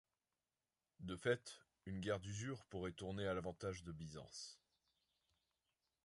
De fait, une guerre d'usure pourrait tourner à l'avantage de Byzance.